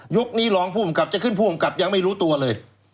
ยุคนี้ลองผู้ผมกลับจะขึ้นผู้ผมกลับยังไม่รู้ตัวเลย